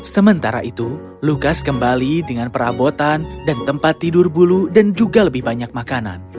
sementara itu lukas kembali dengan perabotan dan tempat tidur bulu dan juga lebih banyak makanan